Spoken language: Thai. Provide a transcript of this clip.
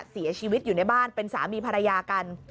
เสียชีวิตอยู่ในบ้านเป็นสามีภรรยากัน